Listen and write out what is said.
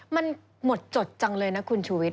มันหมดจดจังเลยนะคุณชูวิท